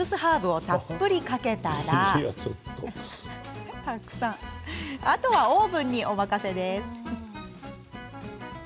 ミックスハーブをたっぷりかけたらあとはオーブンに、お任せ。